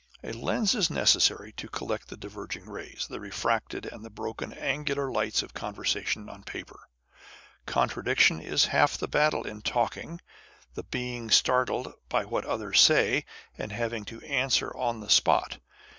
A lens is necessary to collect the diverging rays, the refracted and broken angular lights of conversation on paper. Contradic tion is half the battle in talking â€" the being startled by what others say, and having to answer on the spot.